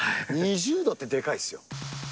２０度ってでかいですよ。